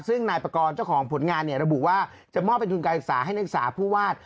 ซึ่งนายประกอบเจ้าของผลงานระบุว่าจะมอบเป็นทุนการศึกษาให้นักศึกษาผู้วาด